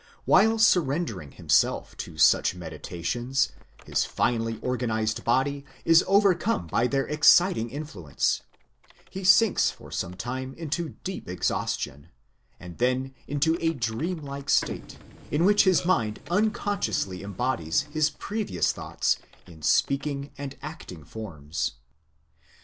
While surrendering him self to such meditations, his finely organized body is overcome by their exciting influence ; he sinks for some time into deep exhaustion, and then into a dream like state, in which his mind unconsciously embodies his previous thoughts in speaking and acting forms.